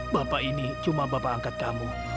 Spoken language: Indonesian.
bapak ini cuma bapak angkat kamu